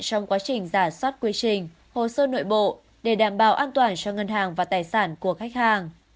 trong quá trình giả soát quy trình hồ sơ nội bộ để đảm bảo an toàn cho ngân hàng và tài sản của khách hàng